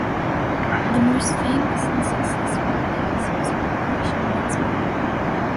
The most famous and successful of these was "Operation Mincemeat".